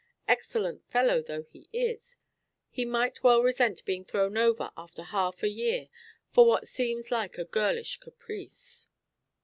Excellent fellow though he is, he might well resent being thrown over after half a year for what seems like a girlish caprice."